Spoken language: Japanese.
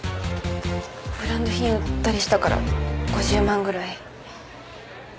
ブランド品売ったりしたから５０万ぐらい？